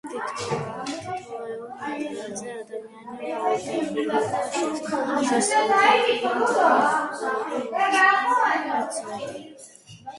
თითოეულ მათგანზე ადამიანი ვალდებული იყო შეესრულებინა გარკვეული ლოცვები.